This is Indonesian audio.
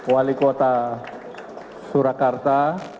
wali kota surakarta